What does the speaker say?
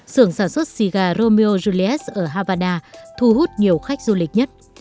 sưởng sản xuất xì gà romeo julius ở havana thu hút nhiều khách du lịch nhất